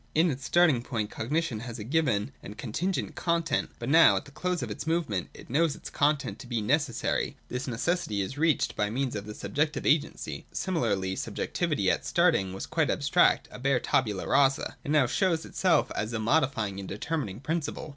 In its starting point cognition had a given and a con tingent content ; but now, at the close of its movement, it knows its content to be necessary. This necessity is reached by means of subjective agency. Similarly, subjectivity at starting was quite abstract, a bare tabula rasa. It now shows itself as a modifying and determining principle.